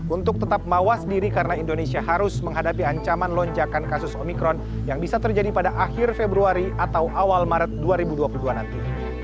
untuk tetap mawas diri karena indonesia harus menghadapi ancaman lonjakan kasus omikron yang bisa terjadi pada akhir februari atau awal maret dua ribu dua puluh dua nanti